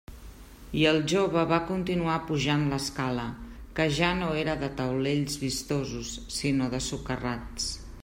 I el jove va continuar pujant l'escala, que ja no era de taulells vistosos, sinó de socarrats.